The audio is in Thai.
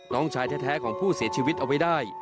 น้องชายแท้ของผู้เสียชีวิตเอาไว้ได้